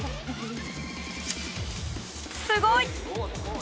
すごい！